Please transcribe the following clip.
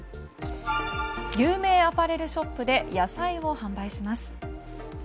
有名アパレルショップで野菜を販売します。